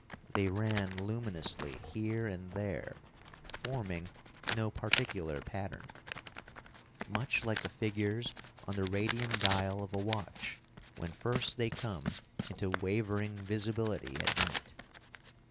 They ran luminously here and there, forming no particular pattern, much like the figures on the radium dial of a watch when first they come into wavering visibility at night.